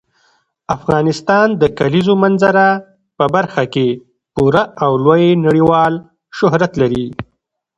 افغانستان د کلیزو منظره په برخه کې پوره او لوی نړیوال شهرت لري.